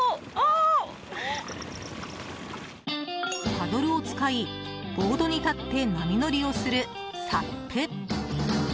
パドルを使い、ボードに立って波乗りをするサップ。